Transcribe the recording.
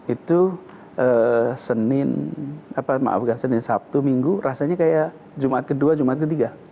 itu senin maafkan senin sabtu minggu rasanya kayak jumat ke dua jumat ke tiga